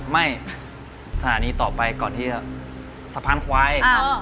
สถานีต่อไปก่อนที่จะสะพานควาย